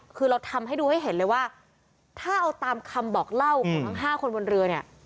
คือเราทำให้ดูให้เห็นเลยว่าถ้าเอาตามคำบอกเล่าของทั้ง๕คนบนเรือเนี่ย